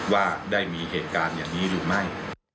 ว่าได้มีเหตุการณ์อย่างนี้หรือไม่